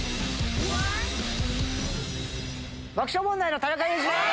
爆笑問題の田中裕二です。